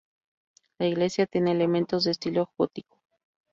La iglesia tiene elementos de estilo gótico.